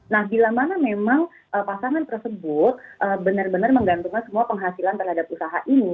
nah bila mana memang pasangan tersebut benar benar menggantungkan semua penghasilan terhadap usaha ini